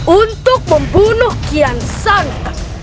untuk membunuh kian sanka